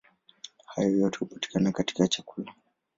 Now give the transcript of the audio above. Hayo yote hupatikana katika chakula.